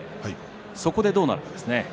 そこで、どうなるかですね。